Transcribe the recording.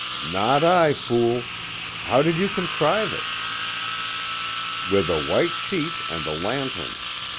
"Not I, fool. How did you contrive it?" "With a white sheet and a lantern.